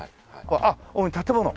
あっ建物？